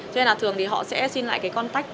cho nên là thường thì họ sẽ xin lại cái contact